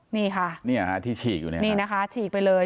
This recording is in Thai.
นี่ค่ะนี่นะคะฉีกไปเลย